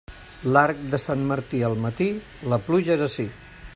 L'arc de Sant Martí al matí, la pluja és ací.